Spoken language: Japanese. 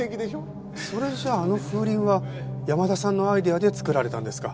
それじゃああの風鈴は山田さんのアイデアで作られたんですか。